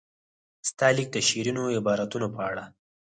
ستا لیک د شیرینو عباراتو په اړه.